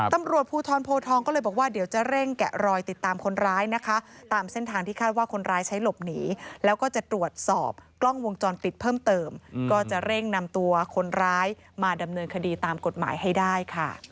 ตำรวจภูทรโพทองก็เลยบอกว่าเดี๋ยวจะเร่งแกะรอยติดตามคนร้ายนะคะตามเส้นทางที่คาดว่าคนร้ายใช้หลบหนีแล้วก็จะตรวจสอบกล้องวงจรปิดเพิ่มเติมก็จะเร่งนำตัวคนร้ายมาดำเนินคดีตามกฎหมายให้ได้ค่ะ